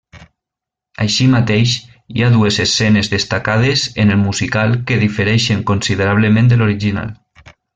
Així mateix, hi ha dues escenes destacades en el musical que difereixen considerablement de l'original.